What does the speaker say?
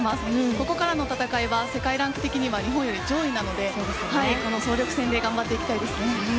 ここからの戦いは世界ランク的には日本より上位なので総力戦で頑張っていきたいですね。